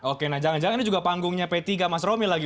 oke nah jangan jangan ini juga panggungnya p tiga mas romi lagi